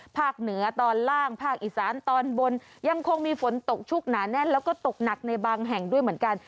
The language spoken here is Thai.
ภาคเหนือตอนล่างภาคอีสานตอนบนยังคงมีฝนตกชุกหนาแน่นแล้วก็ตกหนักในบางแห่งด้วยเหมือนกัน